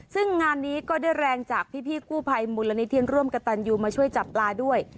ซึ่งงานนี้ก็ได้แรงจากพี่กู้ภัยมูลนิธิร่วมกับตันยูมาช่วยจับปลาด้วย